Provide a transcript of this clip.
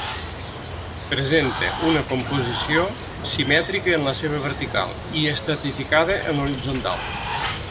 Presenta una composició simètrica en la seva vertical i estratificada en horitzontal.